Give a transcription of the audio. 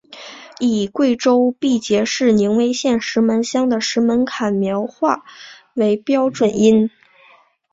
以贵州毕节市威宁县石门乡的石门坎苗话为标准音。